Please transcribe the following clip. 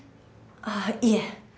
ああいえ。